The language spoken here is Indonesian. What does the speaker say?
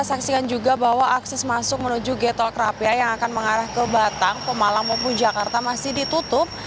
saksikan juga bahwa akses masuk menuju getol krapia yang akan mengarah ke batang pemalang maupun jakarta masih ditutup